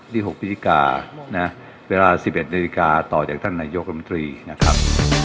ที่หกพิจิกานะเวลาสิบเอ็ดนาฬิกาต่อจากท่านนายกกรณ์บันตรีนะครับ